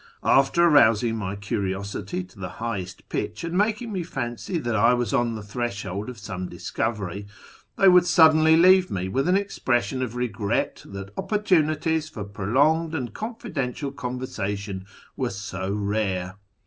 After arousing my curiosity to the highest pitch, and making me fancy that I was on the threshold of some discovery, they would suddenly leave me with an expres sion of regret that opportunities for prolonged and confidential conversation were so rare.